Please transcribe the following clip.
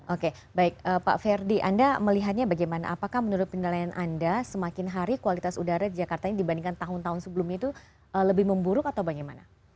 oke baik pak ferdi anda melihatnya bagaimana apakah menurut penilaian anda semakin hari kualitas udara di jakarta ini dibandingkan tahun tahun sebelumnya itu lebih memburuk atau bagaimana